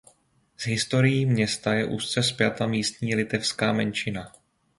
S historií města je úzce spjata místní litevská menšina.